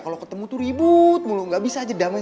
kalau ketemu tuh ribut mulut gak bisa aja damai